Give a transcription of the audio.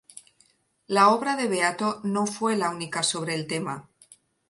La obra de Beato no fue la única sobre el tema.